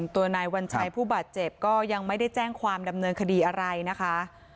ตัวนายวัญชัยผู้บาดเจ็บก็ยังไม่ได้แจ้งความดำเนินคดีอะไรนะคะ